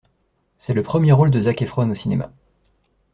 C'est le premier rôle de Zac Efron au cinéma.